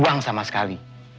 buang sama sekali